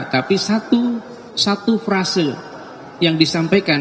tapi satu frase yang disampaikan